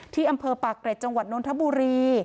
ที่อำเภอปากเกร็ดจังหวัดนทบุรี